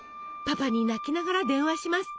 パパに泣きながら電話します。